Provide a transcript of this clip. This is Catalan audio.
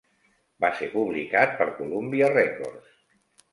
Va ser publicat per Columbia Records.